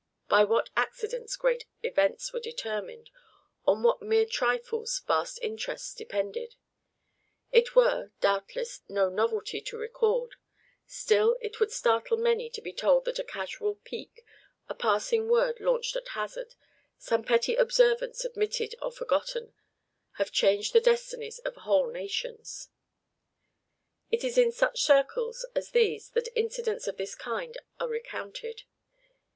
By what accidents great events were determined; on what mere trifles vast interests depended, it were, doubtless, no novelty to record; still, it would startle many to be told that a casual pique, a passing word launched at hazard, some petty observance omitted or forgotten, have changed the destinies of whole nations. It is in such circles as these that incidents of this kind are recounted.